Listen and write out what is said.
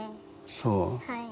そう。